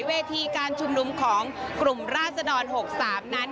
เวทีการชุมนุมของกลุ่มราศดร๖๓นั้น